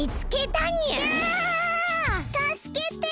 たすけて！